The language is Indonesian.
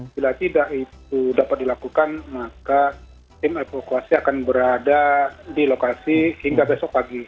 bila tidak itu dapat dilakukan maka tim evakuasi akan berada di lokasi hingga besok pagi